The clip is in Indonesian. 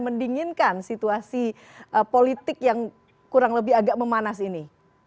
mendinginkan situasi politik yang kurang lebih agak memanas ini